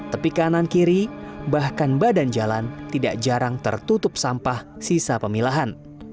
tepi kanan kiri bahkan badan jalan tidak jarang tertutup sampah sisa pemilahan